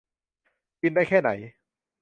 กินได้แค่ไหน